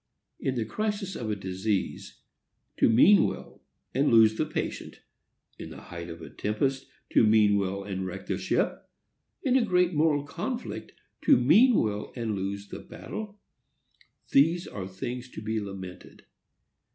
In the crisis of a disease, to mean well and lose the patient,—in the height of a tempest, to mean well and wreck the ship,—in a great moral conflict, to mean well and lose the battle,—these are things to be lamented.